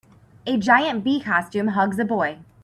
A giant bee costume hugs a boy.